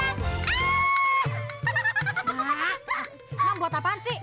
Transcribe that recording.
emang buat apaan sih